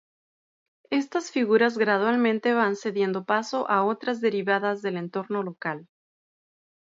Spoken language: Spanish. Estas figuras gradualmente van cediendo paso a otras derivadas del entorno local.